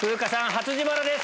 初自腹です。